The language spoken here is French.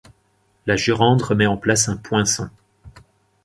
La jurande remet en place un poinçon.